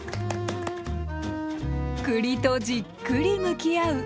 栗とじっくり向き合う